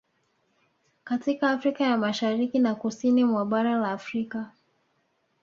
Katika Afrika ya Mashariki na Kusini mwa bara la Afrika